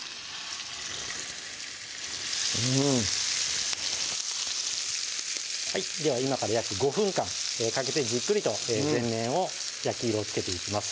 うんでは今から約５分間かけてじっくりと全面を焼き色をつけていきます